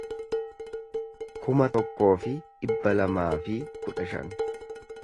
kuma tokkoo fi dhibba lamaa fi kudha shan